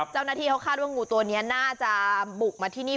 เจ้าหน้าที่เขาคาดว่างูตัวนี้น่าจะบุกมาที่นี่